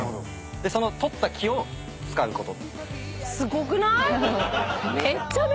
でその取った木を使うこと。